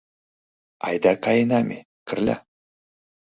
Айда каена ме, Кырля